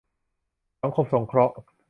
สังคมสงเคราะห์